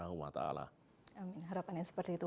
amin harapannya seperti itu